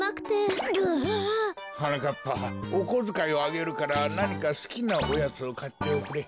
はなかっぱおこづかいをあげるからなにかすきなオヤツをかっておくれ。